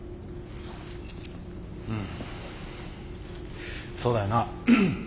うんそうだよな。